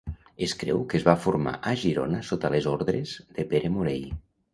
Es creu que es va formar a Girona sota les ordres de Pere Morei.